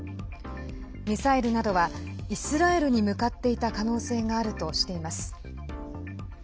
ミサイルなどはイスラエルに向かっていた可能性があるとしています。